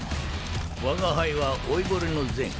我が輩は老いぼれのゼン。